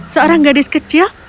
seorang gadis kecil